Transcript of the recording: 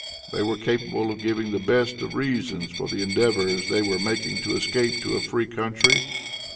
They were capable of giving the best of reasons for the endeavors they were making to escape to a free country.